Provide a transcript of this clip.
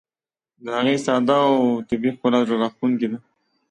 د هغې ساده او طبیعي ښکلا زړه راښکونکې ده.